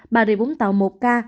bà rịa vũng tàu một ca